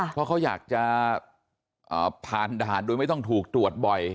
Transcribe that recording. เพราะเขาอยากจะผ่านด่านโดยไม่ต้องถูกตรวจบ่อย